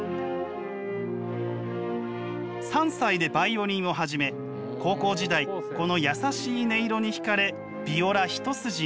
３歳でバイオリンを始め高校時代この優しい音色に引かれヴィオラ一筋に。